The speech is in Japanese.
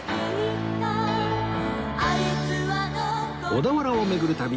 小田原を巡る旅